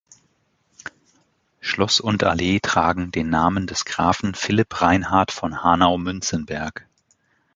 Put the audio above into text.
Schloss und Allee tragen den Namen des Grafen Philipp Reinhard von Hanau-Münzenberg.